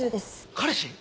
彼氏？